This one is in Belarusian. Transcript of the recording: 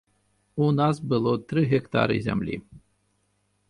У нас было тры гектары зямлі.